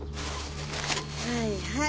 はいはい。